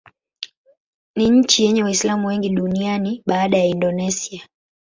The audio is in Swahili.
Ni nchi yenye Waislamu wengi duniani baada ya Indonesia.